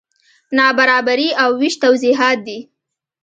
نابرابري او وېش توضیحات دي.